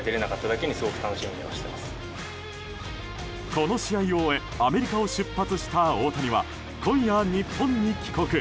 この試合を終えアメリカを出発した大谷は今夜、日本に帰国。